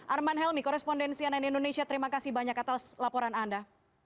arman helmi korespondensi ann indonesia terima kasih banyak atas laporan anda